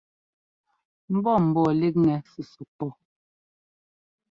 Mbɔ́ mbɔɔ líkŋɛ súsúk pɔ.